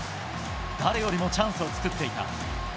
誰よりもチャンスを作っていた。